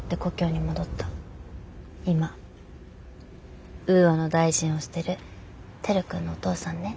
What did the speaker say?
今ウーアの大臣をしてる照君のお父さんね。